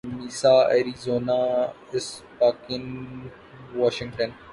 Misa Arizona Spokane Washington